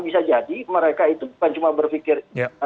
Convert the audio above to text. bisa jadi mereka itu bukan cuma berpikir